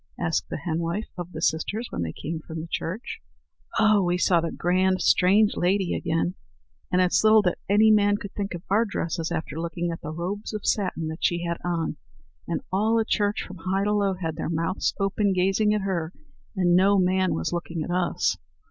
asked the henwife of the sisters when they came from the church. "Oh, we saw the grand strange lady again. And it's little that any man could think of our dresses after looking at the robes of satin that she had on! And all at church, from high to low, had their mouths open, gazing at her, and no man was looking at us."